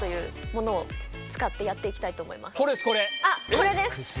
これです